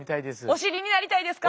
お知りになりたいですか？